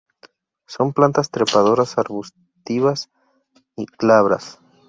Son plantas trepadoras arbustivas glabras.